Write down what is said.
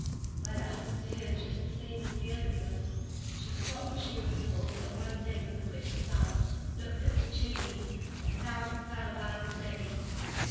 Well, it happened to her just the same as to the other girl she forgot what she was told, and one day when the witch was out, looked up the chimney, and down fell a bag of money.